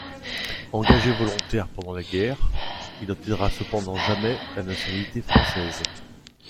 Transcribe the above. Engagé volontaire pendant la guerre, il n'obtiendra cependant jamais la nationalité française.